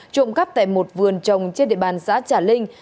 trộm cắp tại một vườn trồng trên địa bàn xã trà linh